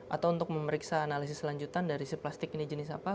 atau untuk memeriksa analisis selanjutan dari si plastik ini jenis apa